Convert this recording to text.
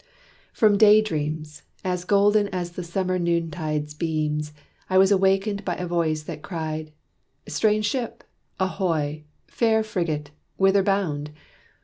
From day dreams, As golden as the summer noontide's beams, I was awakened by a voice that cried: "Strange ship, ahoy! Fair frigate, whither bound?"